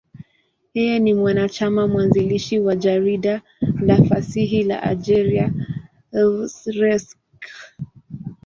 Yeye ni mwanachama mwanzilishi wa jarida la fasihi la Algeria, L'Ivrescq.